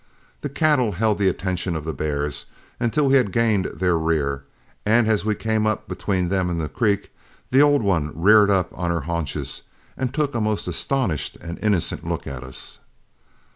The cattle held the attention of the bears until we had gained their rear, and as we came up between them and the creek, the old one reared up on her haunches and took a most astonished and innocent look at us.